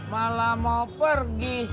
malah mau pergi